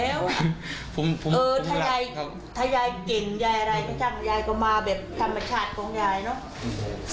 เออถ้ายายถ้ายายเก่งยายอะไรก็ช่างยายก็มาแบบธรรมชาติของยายเนอะ